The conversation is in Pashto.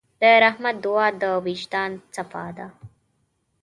د رحمت دعا د وجدان صفا ده.